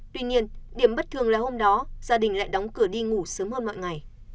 tuy nhiên điểm bất thường là hôm đó gia đình lại đóng cửa đi ngủ sớm hơn mọi ngày